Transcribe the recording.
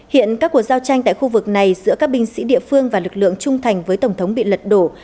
hiện các cuộc giao tranh tại khu vực này giữa các binh sĩ địa phương và lực lượng trung thành với tổng thống bị lật đổ